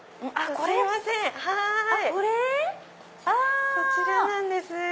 これ⁉こちらなんです。